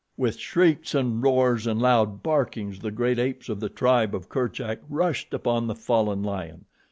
With shrieks and roars and loud barkings the great apes of the tribe of Kerchak rushed upon the fallen lion.